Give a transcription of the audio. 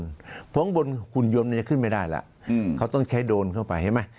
เพราะบนหุ่นยนต์จะขึ้นไม่ได้แล้วเขาต้องใช้โดรนเข้าไปใช่ไหม